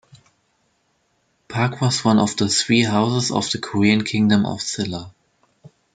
Park was one of three houses of the Korean kingdom of Silla.